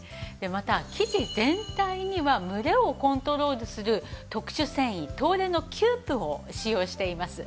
また生地全体にはムレをコントロールする特殊繊維東レのキュープを使用しています。